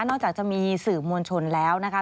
จากจะมีสื่อมวลชนแล้วนะคะ